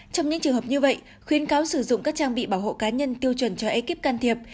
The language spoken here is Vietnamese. trong những trường hợp như vậy khuyến cáo sử dụng các trang bị bảo hộ cá nhân tiêu chuẩn cho ekip can thiệp